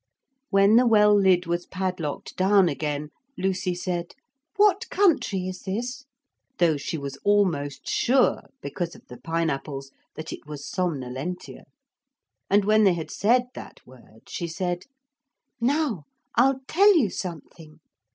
When the well lid was padlocked down again, Lucy said: 'What country is this?' though she was almost sure, because of the pine apples, that it was Somnolentia. And when they had said that word she said: 'Now I'll tell you something.